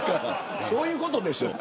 そういうことでしょ。